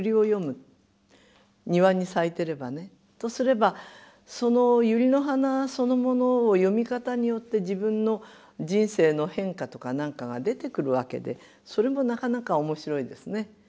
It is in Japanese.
とすればその百合の花そのものの詠み方によって自分の人生の変化とか何かが出てくるわけでそれもなかなか面白いですね。